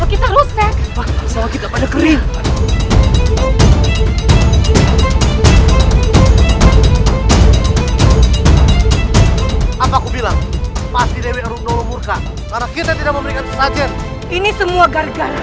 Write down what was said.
itu radin kian santang